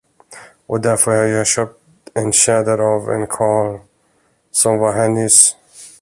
Och därför har jag köpt en tjäder av en karl, som var här nyss.